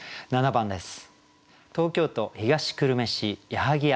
７番です。